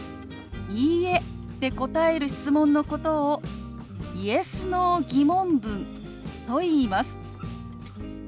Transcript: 「いいえ」で答える質問のことを「Ｙｅｓ／Ｎｏ−疑問文」といいます。